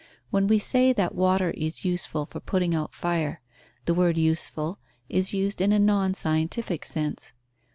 When we say that water is useful for putting out fire, the word "useful" is used in a non scientific sense.